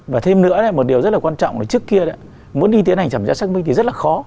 và thêm nữa một điều rất là quan trọng là trước kia muốn đi tiến hành thẩm tra xác minh thì rất là khó